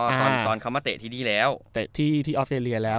ตอนเขามาเตะที่นี่แล้วเตะที่ออสเตรเลียแล้ว